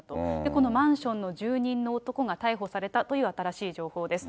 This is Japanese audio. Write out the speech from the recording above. このマンションの住人の男が逮捕されたという新しい情報です。